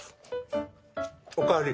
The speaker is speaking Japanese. おかわり。